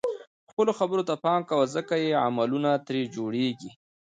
خپلو خبرو ته پام کوه ځکه چې عملونه ترې جوړيږي.